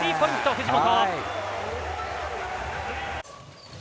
藤本！